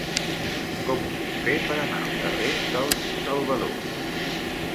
Com ho puc fer per anar al carrer dels Salvador?